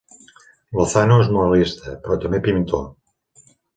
Lozano és muralista, però també pintor.